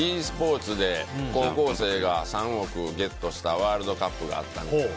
ｅスポーツで高校生が３億ゲットしたワールドカップがあって。